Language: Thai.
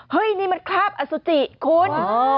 เฮ้ยนี่มันคราบอสุจิคุณ